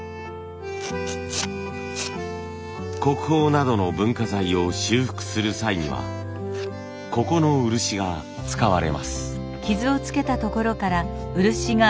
国宝などの文化財を修復する際にはここの漆が使われます。